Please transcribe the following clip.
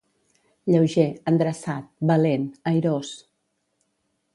Lleuger, endreçat, valent, airós.